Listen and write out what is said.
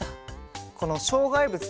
このしょうがいぶつとかは。